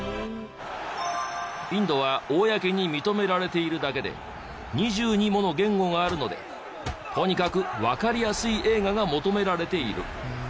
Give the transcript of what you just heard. インドは公に認められているだけで２２もの言語があるのでとにかくわかりやすい映画が求められている。